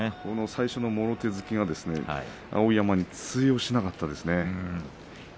最初のもろ手突きが碧山に通用しませんでしたね。